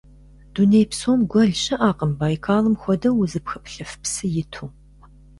Дуней псом гуэл щыӀэкъым Байкалым хуэдэу узыпхыплъыф псы иту.